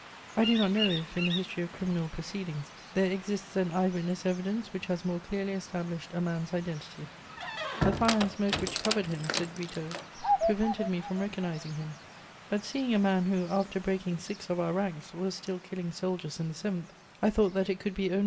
I do not know if, in the history of criminal proceedings, there exists an eye witness' evidence which has more clearly established a man's identity: "The fire and smoke which covered him," said Guitaut, "prevented me from recognising him; but seeing a man who, after breaking six of our ranks, was still killing soldiers in the seventh, I thought that it could be only M.